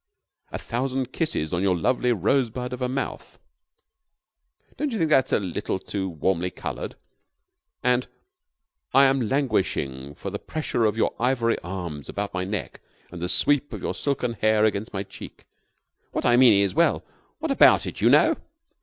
"'A thousand kisses on your lovely rosebud of a mouth.' Don't you think that is a little too warmly colored? And 'I am languishing for the pressure of your ivory arms about my neck and the sweep of your silken hair against my cheek!' What I mean is well, what about it, you know?"